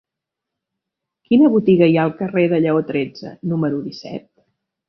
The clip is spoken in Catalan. Quina botiga hi ha al carrer de Lleó tretze número disset?